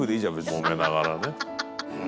「もめながらね」